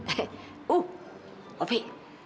eh uh opi